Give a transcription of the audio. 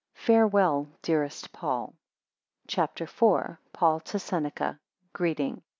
Farewell, dearest Paul. CHAP. IV. PAUL to SENECA Greeting.